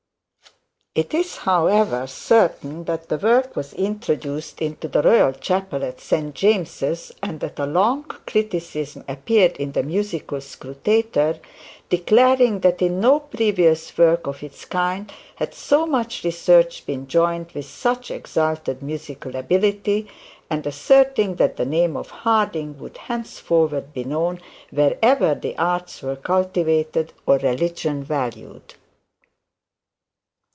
It is, however, certain that the work was introduced into the Royal Chapel at St James's, and that a long criticism appeared in the Musical Scrutator, declaring that in no previous work of its kind had so much research been joined with such exalted musical ability, and asserting that the name of Harding would henceforward be known wherever the Arts were cultivated, or Religion valued.